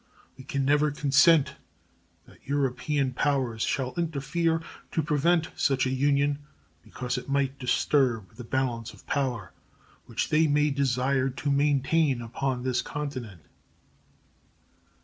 We can never consent that European powers shall interfere to prevent such a union because it might disturb the "balance of power" which they may desire to maintain upon this continent.